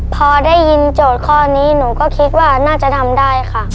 พอได้ยินโจทย์ข้อนี้หนูก็คิดว่าน่าจะทำได้ค่ะ